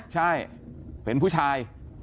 ใช่เป็นผู้ชาย